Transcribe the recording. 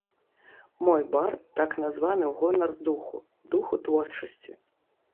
Мой бар так названы ў гонар духу, духу творчасці.